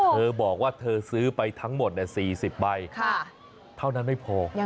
เธอบอกว่าเธอซื้อไปทั้งหมด๔๐ใบเท่านั้นไม่พอ